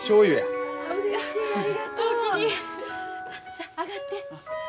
さあ上がって。